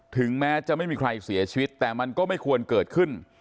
ถึงแม้จะไม่มีใครเสียชีวิตแต่มันก็ไม่ควรเกิดขึ้น